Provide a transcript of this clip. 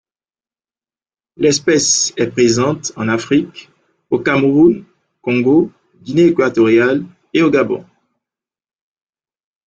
L'espèce est présente en Afrique, au Cameroun, Congo, Guinée équatoriale et au Gabon.